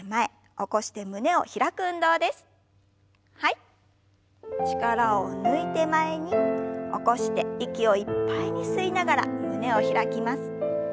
起こして息をいっぱいに吸いながら胸を開きます。